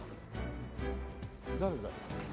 誰だ。